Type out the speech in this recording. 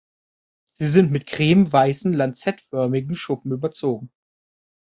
Sie sind mit cremeweißen lanzettförmigen Schuppen überzogen.